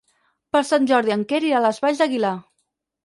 Per Sant Jordi en Quer irà a les Valls d'Aguilar.